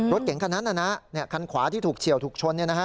รถเก๋งคันนั้นคันขวาที่ถูกเฉียวถูกชน